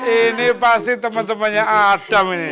ini pasti teman temannya adam ini